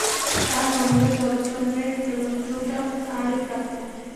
তাহার সমুদয় সদাচরণের জন্য প্রশংসাও তাহারই প্রাপ্য।